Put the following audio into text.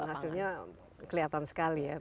dan hasilnya kelihatan sekali ya